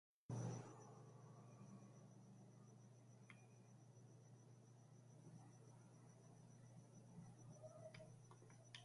¿Ampe xani wetarhisïni tsiri jatsikwarhu?